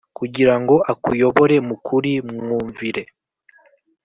kugira ngo akuyobore mu kuri mwumvire.